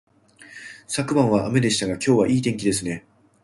昨晩は雨でしたが、今日はいい天気ですね